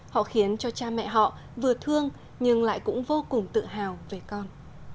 họ khiến cho cha mẹ họ vừa thương nhưng lại cũng vô cùng tự hào về con